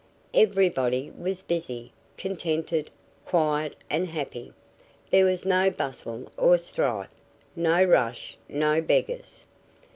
Everybody was busy, contented, quiet and happy. There was no bustle or strife, no rush, no beggars.